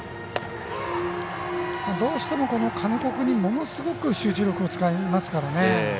どうしても金子君にものすごく集中力を使いますからね。